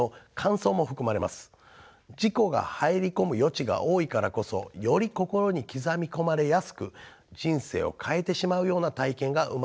自己が入り込む余地が多いからこそより心に刻み込まれやすく人生を変えてしまうような体験が生まれやすいのでしょう。